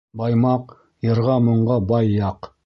Баймаҡ- йырға-моңға бай яҡ.